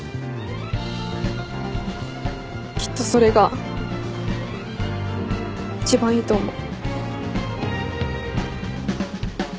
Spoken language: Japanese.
きっとそれが一番いいと思う。